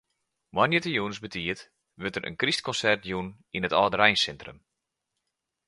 Moandei de jûns betiid wurdt der in krystkonsert jûn yn it âldereinsintrum.